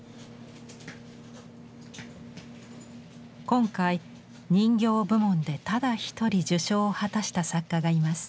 今回人形部門でただ一人受賞を果たした作家がいます。